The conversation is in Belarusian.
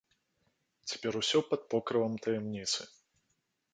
Цяпер усё пад покрывам таямніцы.